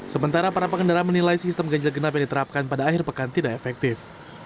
sementara para pengendara menilai sistem ganjil genap yang diterapkan pada akhir pekan tidak efektif